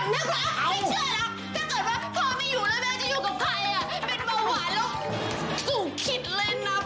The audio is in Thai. แล้วโรคเบาหวานสามารถรักษาให้หายได้ไหมล่ะครับ